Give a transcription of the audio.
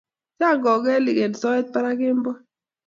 Chang kogelik eng soet barak kemboi